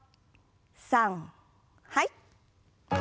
さんはい。